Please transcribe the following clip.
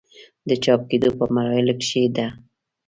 د چاپ کيدو پۀ مراحلو کښې ده